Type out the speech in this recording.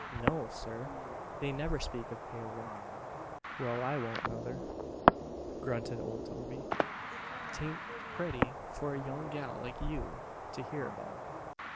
"No, sir. They never speak of Pale Lick." "Well, I won't, nuther," grunted old Toby. "'Taint pretty for a young gal like you to hear about.